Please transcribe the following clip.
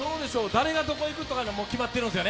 誰がどこへ行くとか、もう決まってるんですか？